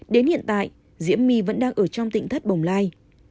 đến hiện tại diễm my vẫn đang ở trong tỉnh thất bồng lai